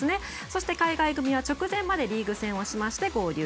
そして海外組は直前までリーグ戦をしまして合流。